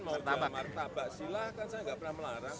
mau jual martabak silahkan saya nggak pernah melarang